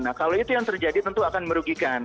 nah kalau itu yang terjadi tentu akan merugikan